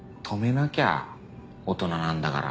なきゃ大人なんだから。